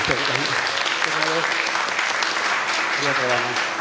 ありがとうございます。